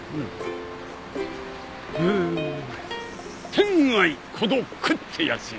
天涯孤独ってやつや。